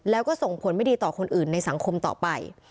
แล้วก็ส่งผลไม่ดีต่อคนอื่นในสังคมต่อไป